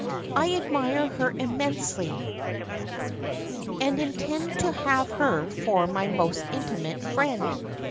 I admire her immensely and intend to have her for my most intimate friend.